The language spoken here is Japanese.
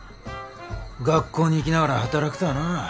学校に行きながら働くとはなあ。